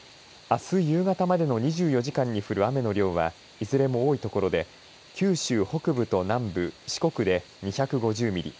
あす夕方までの２４時間に降る雨の量はいずれも多い所で九州北部と南部、四国で２５０ミリ